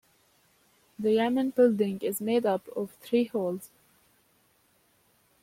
The yamen building is made up of three halls.